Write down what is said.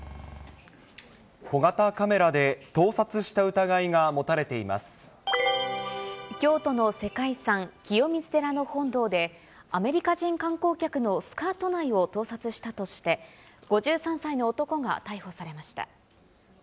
小型カメラで盗撮した疑いが京都の世界遺産、清水寺の本堂で、アメリカ人観光客のスカート内を盗撮したとして、５３歳の男が逮捕されました。